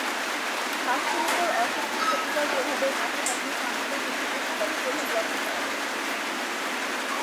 স্বাস্থ্যের উপর অসংখ্য ক্ষতিকর প্রভাবের পাশাপাশি তামাকের কিছু উপকারী প্রভাব লক্ষ্য করা গেছে।